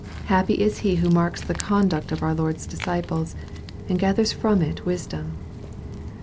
Happy is he who marks the conduct of our Lord's disciples, and gathers from it wisdom